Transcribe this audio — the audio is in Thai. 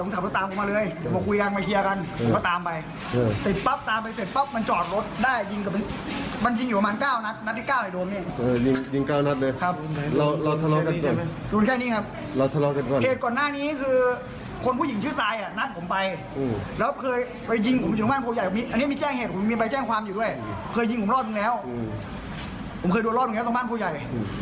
เคยยิงผมรอดหนึ่งแล้วผมเคยโดนรอดหนึ่งแล้วตรงบ้านโค้ยใหญ่